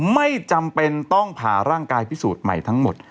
ไม่จำเป็นต้องผ่าร่างกายพิสูจน์ใหม่ทั้งหมด